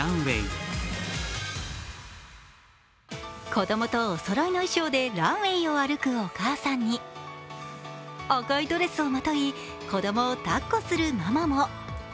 子供とおそろいの衣装でランウェイを歩くお母さんに赤いドレスをまとい、子供を抱っこするママも。